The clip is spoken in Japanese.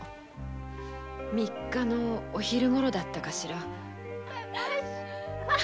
三日の日のお昼ごろだったかしら。